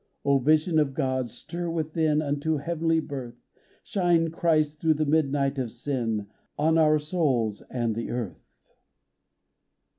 O vision of God, stir within Unto heavenly birth ! Shine, Christ, through the midnight of sin, On our souls and the earth